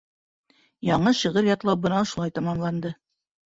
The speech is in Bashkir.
Яңы шиғыр ятлау бына ошолай тамамланды.